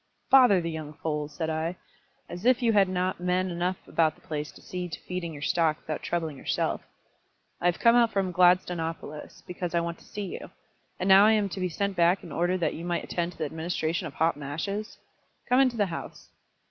"Bother the young foals!" said I. "As if you had not men enough about the place to see to feeding your stock without troubling yourself. I have come out from Gladstonopolis, because I want to see you; and now I am to be sent back in order that you might attend to the administration of hot mashes! Come into the house."